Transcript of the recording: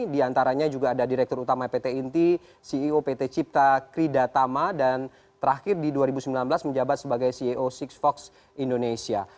di antaranya juga ada direktur utama pt inti ceo pt cipta kridatama dan terakhir di dua ribu sembilan belas menjabat sebagai ceo six fox indonesia